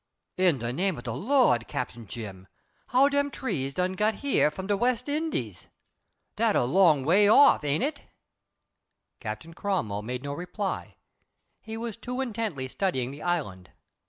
"In de name of de Lawd, Cap. Jim, how dem trees done get here from de West Indies? Dat a long way off, ain't it?" Captain Cromwell made no reply. He was too intently studying the island.